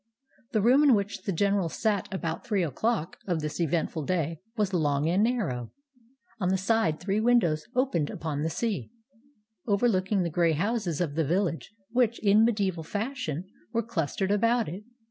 The room in which the general sat about three o'clock of this eventful day was long and narrow. On the side three windows opened upon the sea, overlooking the gray houses of the village which, in mediaeval fashion, were clustered about it.